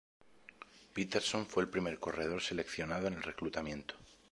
Peterson fue el primer corredor seleccionado en el reclutamiento.